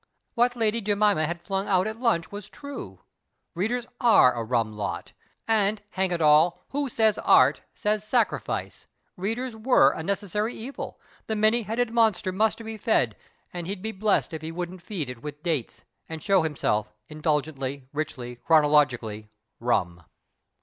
^Vhat Lady Jemima had flung out at hnieh was true, readers are a " rum lot," and, hang it all, who says art says sacrifice, readers were a necessary evil, the many headed monster must be fed, and he'd be blest if he wouldn't feed it with dates, and show himself for, indulgently, richly, chronologically, " rum."